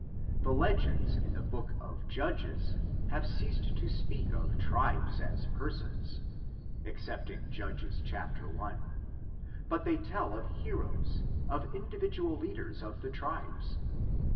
The legends in the Book of Judges have ceased to speak of tribes as persons (excepting Judges i.), but they tell of heroes, of individual leaders of the tribes.